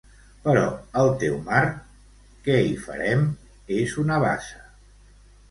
Però el teu mar, què hi farem, és una bassa.